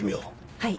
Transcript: はい。